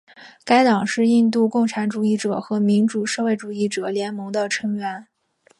该党是印度共产主义者和民主社会主义者联盟的成员。